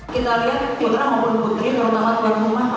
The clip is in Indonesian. kita lihat putra maupun putri terutama tuan rumah